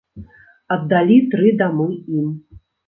Аддалі тры дамы ім.